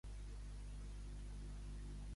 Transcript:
Qui els l'ha explicat?